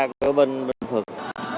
của bên phường